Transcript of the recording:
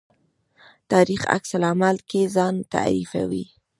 تاریخ عکس العمل کې ځان تعریفوي.